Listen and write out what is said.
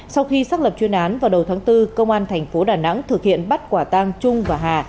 sau khi xác lập chuyên án vào đầu tháng bốn công an thành phố đà nẵng thực hiện bắt quả tang trung và hà